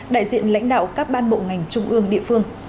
đại diện lãnh đạo các ban bộ ngành trung ương địa phương